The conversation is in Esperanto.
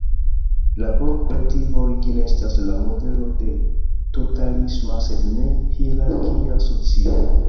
La Borg-kolektivo origine estas la modelo de totalisma, sed ne-hierarkia socio.